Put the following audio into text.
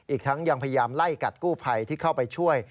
อีกทั้งยังพยายามไล่กัดกู้ภัยที่เข้าไปช่วย